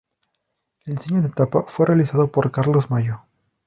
El diseño de tapa fue realizado por Carlos Mayo.